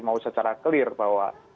mau secara clear bahwa